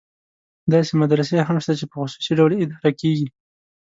داسې مدرسې هم شته چې په خصوصي ډول اداره کېږي.